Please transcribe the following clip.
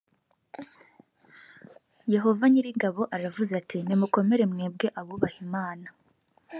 yehova nyir’ingabo aravuze ati nimukomere mwebwe abubaha imana